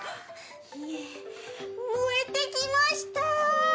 いえ燃えてきました！